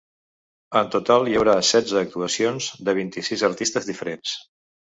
En total hi haurà setze actuacions de vint-i-sis artistes diferents.